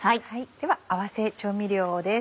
では合わせ調味料です。